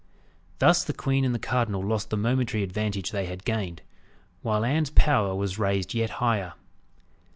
Thus the queen and the cardinal lost the momentary advantage they had gained, while Anne's power was raised yet higher.